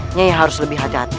ini harus lebih hati hati